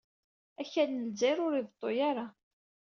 Akal n Lezzayer ur ibeḍḍu ara.